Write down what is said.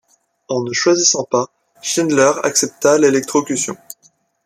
En ne choisissant pas, Swindler accepta l'électrocution.